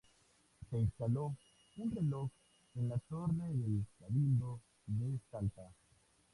Se instaló un reloj en la torre del Cabildo de Salta.